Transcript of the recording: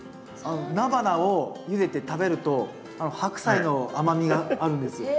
ナバナをゆでて食べるとハクサイの甘みがあるんですよ。